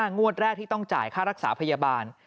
งวดแรกที่ต้องจ่ายค่ารักษาพยาบาล